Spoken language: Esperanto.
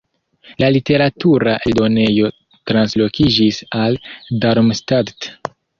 La literatura eldonejo translokiĝis al Darmstadt.